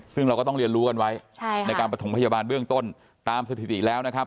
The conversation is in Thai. ซึ่งเราก็ต้องเรียนรู้กันไว้ในการประถมพยาบาลเบื้องต้นตามสถิติแล้วนะครับ